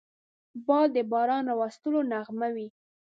باد د باران راوستلو نغمه وي